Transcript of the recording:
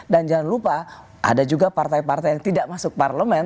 dan jangan lupa ada juga partai partai yang tidak masuk parlemen